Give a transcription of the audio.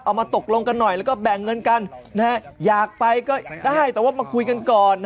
มาตกลงกันหน่อยแล้วก็แบ่งเงินกันอยากไปก็ได้แต่ว่ามาคุยกันก่อน